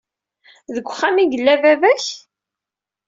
Deg uxxam ay yella baba-k?